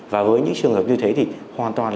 và với những trường hợp như thế thì hoàn toàn